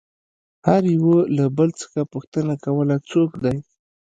هر يوه له بل څخه پوښتنه کوله څوک دى.